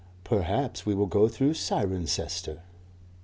Perhaps we will go through Cirencester.